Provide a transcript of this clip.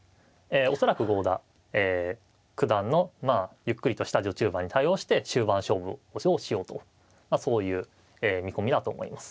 恐らく郷田九段のゆっくりとした序中盤に対応して終盤勝負をしようとそういう見込みだと思います。